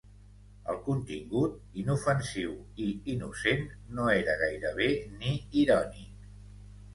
El contingut, inofensiu i innocent, no era gairebé ni irònic.